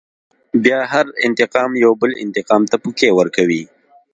بيا هر انتقام يوه بل انتقام ته پوکی ورکوي.